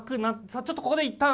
さあちょっとここで一旦。